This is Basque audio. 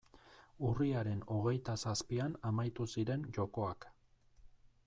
Urriaren hogeita zazpian amaitu ziren jokoak.